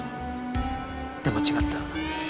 でも違った。